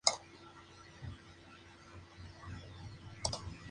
Una vez libre, el abad alentó la venganza contra la amenaza sarracena.